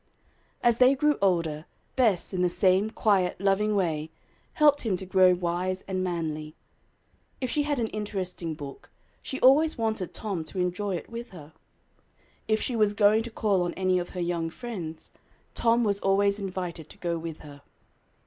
As they grew older, Bess, in the same quiet, loving way, helped him to grow wise and manly. If she had an interesting book, she always wanted Tom to enjoy it with her. If she was going to call on any of her young friends, Tom was always invited to go with her.